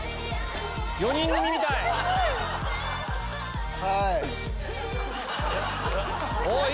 ４人組みたい！